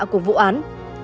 của vụ án